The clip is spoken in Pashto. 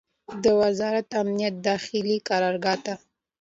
د وزارت امنیت داخلي قرارګاه ته